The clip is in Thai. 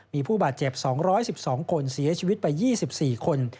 มีผู้บาดเจ็บ๒๑๒คนเสียชีวิตไป๒๔คน